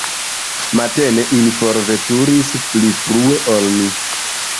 Matene ili forveturis pli frue ol ni.